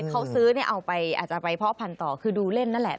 เขาซื้อเนี่ยเอาไปอาจจะไปเพาะพันธุ์ต่อคือดูเล่นนั่นแหละ